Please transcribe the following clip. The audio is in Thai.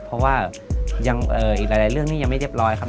เพราะว่าอีกหลายเรื่องนี้ยังไม่เรียบร้อยครับ